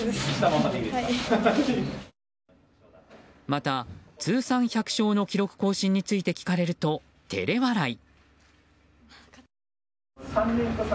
また、通算１００勝の記録更新について聞かれると照れ笑い。